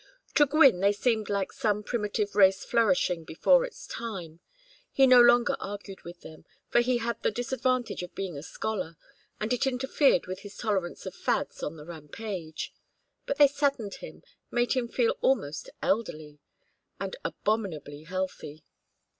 To Gwynne they seemed like some primitive race flourishing before its time. He no longer argued with them, for he had the disadvantage of being a scholar, and it interfered with his tolerance of fads on the rampage; but they saddened him, made him feel almost elderly and abominably healthy.